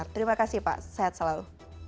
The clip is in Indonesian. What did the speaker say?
terima kasih pak sehat selalu